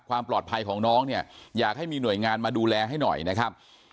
ความปลอดภัยของน้องเนี่ยอยากให้มีหน่วยงานมาดูแลให้หน่อยนะครับ